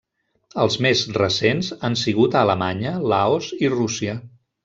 Els més recents han sigut a Alemanya, Laos i Rússia.